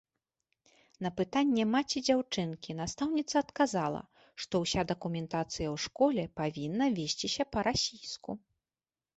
На пытанне маці дзяўчынкі настаўніца адказала, што ўся дакументацыя ў школе павінна весціся па-расійску.